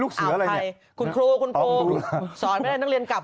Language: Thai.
คุณครูคุณภูมิสอนให้นักเรียนกลับ